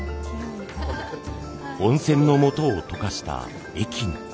温泉のもとを溶かした液に。